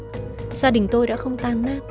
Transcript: gia đình tôi đã không tan nát